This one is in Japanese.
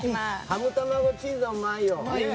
ハムたまごチーズはうまいよ。